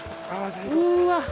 うわ。